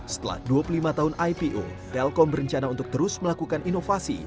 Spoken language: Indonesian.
setelah dua puluh lima tahun ipo telkom berencana untuk terus melakukan inovasi